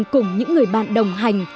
cùng những người bạn đồng hành